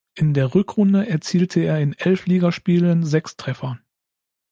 In der Rückrunde erzielte er in elf Ligaspielen sechs Treffer.